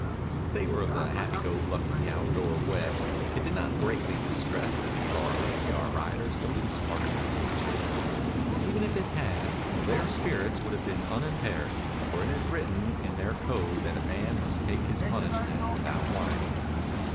Since they were of the happy go lucky, outdoor West it did not greatly distress the D Bar Lazy R riders to lose part of their pay checks. Even if it had, their spirits would have been unimpaired, for it is written in their code that a man must take his punishment without whining.